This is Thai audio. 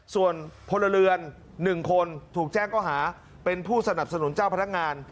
ส่วนพลเรือน๑คนถูกแจ้งก็หาเป็นผู้สนับสนุนเจ้าพนักงาน